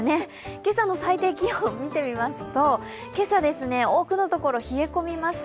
今朝の最低気温を見てみますと、今朝多くのところ冷え込みました。